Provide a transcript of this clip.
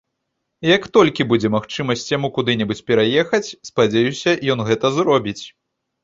Як толькі будзе магчымасць яму куды-небудзь пераехаць, спадзяюся, ён гэта зробіць.